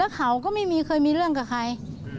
เขาก็ไม่มีเคยมีเรื่องกับใคร